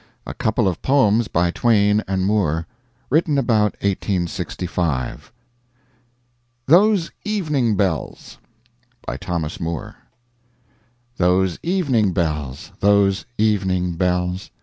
A COUPLE OF POEMS BY TWAIN AND MOORE [Written about 1865] THOSE EVENING BELLS BY THOMAS MOORE Those evening bells! those evening bells!